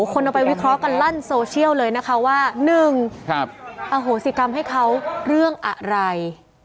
คนเอาไปวิเคราะห์กันลั่นโซเชียลเลยนะคะว่า๑อโหสิกรรมให้เขาเรื่องอะไร